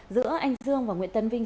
giữa anh dương và nguyễn tấn vinh